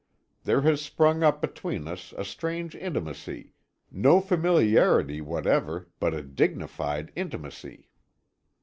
There has sprung up between us a strange intimacy no familiarity whatever, but a dignified intimacy.